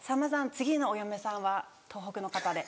次のお嫁さんは東北の方で。